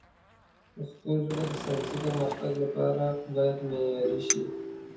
پښتو ژبه د ساینسي پرمختګ لپاره باید معیاري شي.